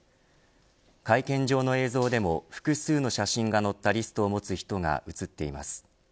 会見場の映像でも複数の写真が載ったリストを持つ人が映っています。